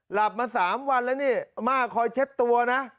หลับมา๓วันแล้วนี่อาม่าคอยเช็ดตัวนะ